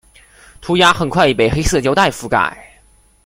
涂鸦很快已被黑色胶袋遮盖。